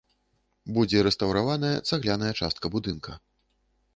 Будзе рэстаўраваная цагляная частка будынка.